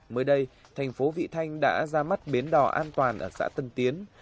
mới đây thành phố vị thanh đã ra mắt bến đỏ an toàn ở xã tân tiến